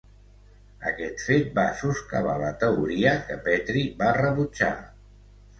Aquest fet va soscavar la teoria, que Petri va rebutjar.